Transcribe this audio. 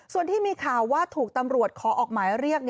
ส่วนที่มีข่าวว่าถูกตำรวจขอออกหมายเรียก